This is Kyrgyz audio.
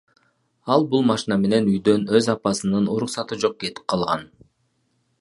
Ал бул машина менен үйдөн өз апасынын уруксаты жок кетип калган.